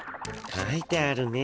書いてあるね。